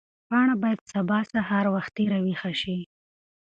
پاڼه باید سبا سهار وختي راویښه شي.